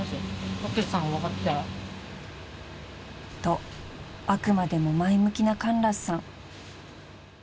［とあくまでも前向きなカンラスさん］